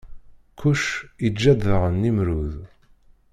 Kuc iǧǧa-d daɣen Nimrud.